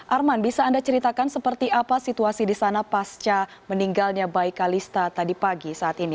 arman bisa anda ceritakan seperti apa situasi di sana pasca meninggalnya bayi kalista tadi pagi saat ini